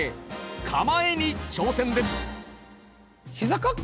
「構え」に挑戦です。